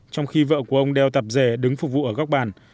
trong khi vợ của ông đeo tạp dè đứng phục vụ ở góc bàn